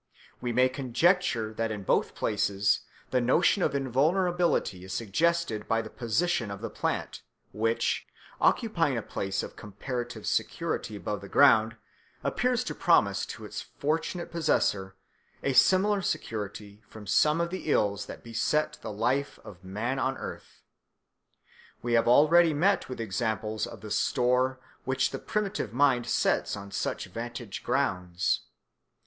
We may conjecture that in both places the notion of invulnerability is suggested by the position of the plant, which, occupying a place of comparative security above the ground, appears to promise to its fortunate possessor a similar security from some of the ills that beset the life of man on earth. We have already met with examples of the store which the primitive mind sets on such vantage grounds.